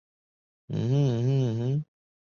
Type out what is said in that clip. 绿艾纳香为菊科艾纳香属的植物。